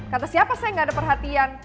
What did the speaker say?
kata siapa saya gak ada perhatian